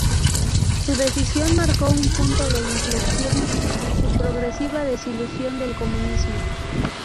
Su decisión marcó un punto de inflexión en su progresiva desilusión del comunismo.